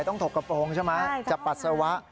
ต้องถกกระโปรงใช่ไหมใช่จากห้องน้ำ